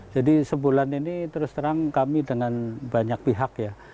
sebulan ini terus terang kami dengan banyak pihak ya